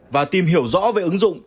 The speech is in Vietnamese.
và tìm hiểu rõ về ứng dụng